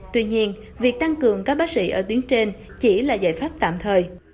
tuy nhiên việc tăng cường các bác sĩ ở tuyến trên chỉ là giải pháp tạm thời